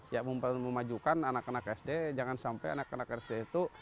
ya memajukan anak anak sd jangan sampai anak anak sd itu